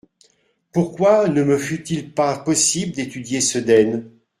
Pourquoi ne me fut-il pas possible d’étudier Sedaine ?